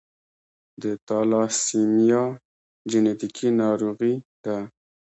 د تالاسیمیا جینیټیکي ناروغي ده.